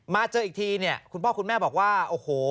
เจออีกทีเนี่ยคุณพ่อคุณแม่บอกว่าโอ้โห